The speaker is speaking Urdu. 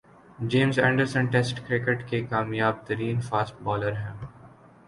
جیمز اینڈرسن ٹیسٹ کرکٹ کے کامیاب ترین فاسٹ بالر بن گئے